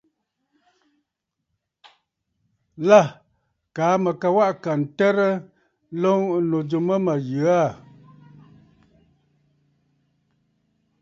Lâ kaa mə̀ ka waꞌà kà ǹtərə nloŋ ɨnnù jû mə mə̀ yə aà.